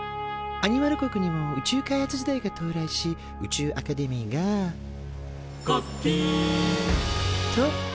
アニマル国にも宇宙開発時代が到来し宇宙アカデミーが「がっびん！」と誕生。